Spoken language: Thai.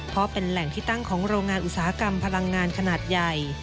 เพราะเป็นแหล่งที่ตั้งของโรงงานอุตสาหกรรมพลังงานขนาดใหญ่